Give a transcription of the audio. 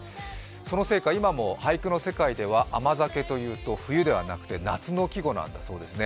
そのせいか今も俳句の世界では甘酒というと冬ではなくて夏の季語なんだそうですね。